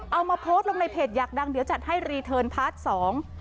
เอามาโพสต์ลงในเพจอยากดังเดี๋ยวจัดให้รีเทิร์นพาร์ทสอง